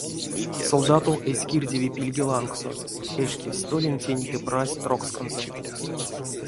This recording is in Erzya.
Солдатов эзь кирдеве пильге лангсо, эшкевсь столентень ды прась троксканзо.